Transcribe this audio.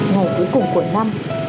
ngày cuối cùng của năm